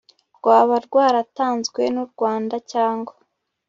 rwaba rwaratanzwe n u rwanda cyangwa